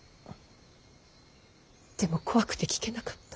でも怖くて聞けなかった。